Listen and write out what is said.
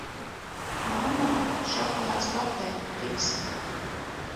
Mamma, šokolādes kokteili, fiksi!